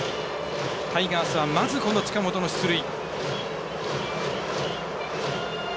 タイガースはまず近本の出塁。